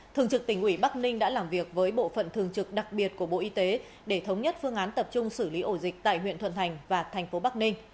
thường trực tỉnh ủy bắc ninh đã làm việc với bộ phận thường trực đặc biệt của bộ y tế để thống nhất phương án tập trung xử lý ổ dịch tại huyện thuận thành và thành phố bắc ninh